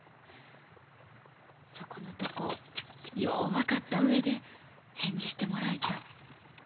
そこのとこよう分かった上で返事してもらいたい。